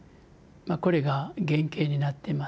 これが原型になっています。